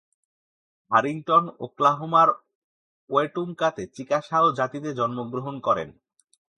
হারিংটন ওকলাহোমার ওয়েটুমকাতে চিকাসাও জাতিতে জন্মগ্রহণ করেন।